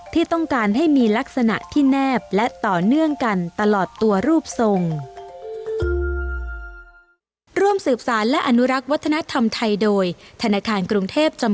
ที่ต้องการให้มีลักษณะที่แนบและต่อเนื่องกันตลอดตัวรูปทรง